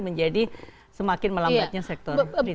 menjadi semakin melambatnya sektor